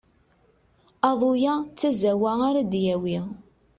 Aḍu-ya d tazawwa ara d-yawi.